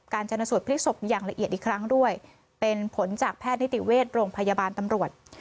จนสูตรพลิกศพอย่างละเอียดอีกครั้งด้วยเป็นผลจากแพทย์นิติเวชโรงพยาบาลตำรวจ